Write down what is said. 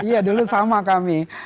iya dulu sama kami